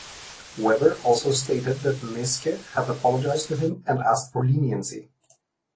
Weber also stated that Meeske had apologized to him and asked for leniency.